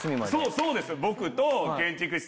そうですよ。